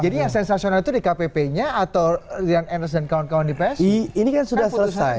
ini yang sensasional itu di kpp nya atau dengan anderson kawan kawan di psi ini kan sudah selesai